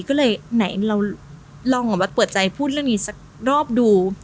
ก็เลยไหนเราลองออกมาเปิดใจพูดเรื่องนี้สักรอบดู